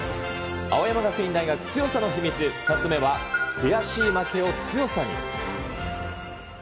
青山学院大学強さの秘密、２つ目は、悔しい負けを強さに。